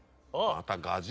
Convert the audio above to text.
またガジ！